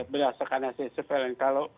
berdasarkan aset surveillance